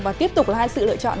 và tiếp tục là hai sự lựa chọn